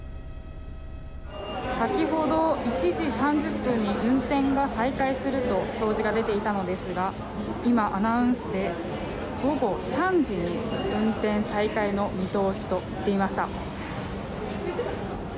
先ほど１時３０分に運転を再開すると表示が出ていたのですが今、アナウンスで午後３時に運転再開の見通しと言っていました。